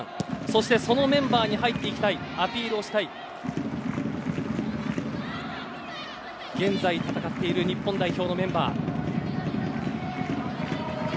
そして、そのメンバーに入っていきたいアピールをしたい現在戦っている日本代表のメンバー。